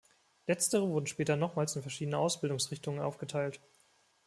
Letztere wurden später nochmals in verschiedene Ausbildungsrichtungen aufgeteilt.